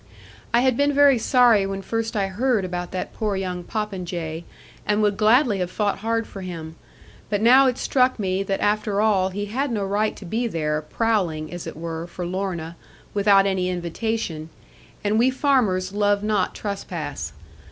I had been very sorry when first I heard about that poor young popinjay, and would gladly have fought hard for him; but now it struck me that after all he had no right to be there, prowling (as it were) for Lorna, without any invitation: and we farmers love not trespass.